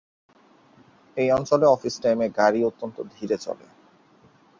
এই অঞ্চলে অফিস-টাইমে গাড়ি অত্যন্ত ধীরে চলে।